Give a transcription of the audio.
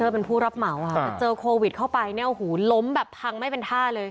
เป็นผู้รับเหมาแต่เจอโควิดเข้าไปเนี่ยโอ้โหล้มแบบพังไม่เป็นท่าเลย